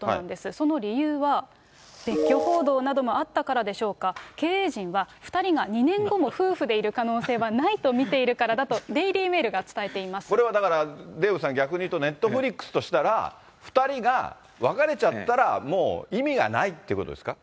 その理由は、別居報道などもあったからでしょうか、経営陣は２人が２年後も夫婦でいる可能性はないと見ているからだと、これはだからデーブさん、逆に言うと、ネットフリックスとしたら、２人が別れちゃったら、もう意味がないってことですか。